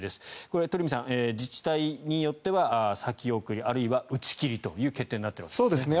これは鳥海さん自治体によっては先送りあるいは打ち切りという決定になってますね。